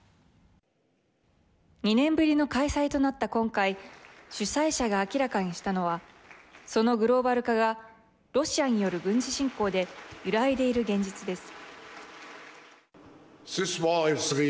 ２年ぶりの開催となった今回主催者が明らかにしたのはそのグローバル化がロシアによる軍事侵攻で揺らいでいる現実です。